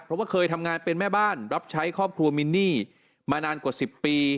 เพราะว่าเคยทำงานเป็นแม่บ้านรับใช้ครอบครัวมินนี่มานานกว่า๑๐ปี